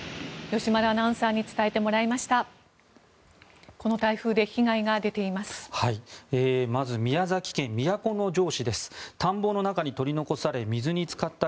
吉丸アナウンサーに伝えてもらいました。